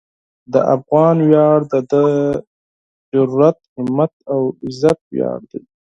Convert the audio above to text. د افغان ویاړ د ده د جرئت، همت او عزت ویاړ دی.